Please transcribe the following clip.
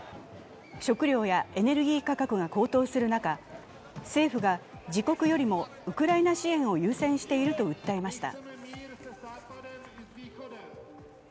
食料やエネルギー価格が高騰する中、政府が自国よりもウクライナ支援を優先していると訴えました。